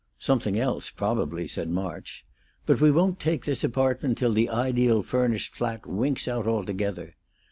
"Something else, probably," said March. "But we won't take this apartment till the ideal furnished flat winks out altogether.